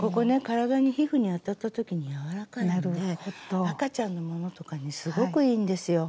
体に皮膚に当たった時に柔らかいので赤ちゃんのものとかにすごくいいんですよ。